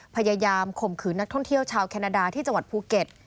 ข่มขืนนักท่องเที่ยวชาวแคนาดาที่จังหวัดภูเก็ต